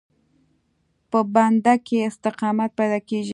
په بنده کې استقامت پیدا کېږي.